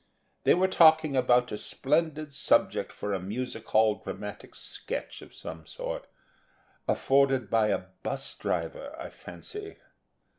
They were talking about a splendid subject for a music hall dramatic sketch of some sort afforded by a bus driver, I fancy.